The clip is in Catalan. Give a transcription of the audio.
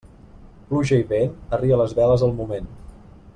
Pluja i vent, arria les veles al moment.